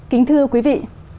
kính thưa quý vị